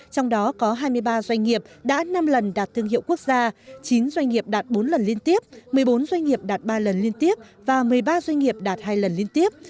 trong đó có hai mươi ba doanh nghiệp đã năm lần đạt thương hiệu quốc gia chín doanh nghiệp đạt bốn lần liên tiếp một mươi bốn doanh nghiệp đạt ba lần liên tiếp và một mươi ba doanh nghiệp đạt hai lần liên tiếp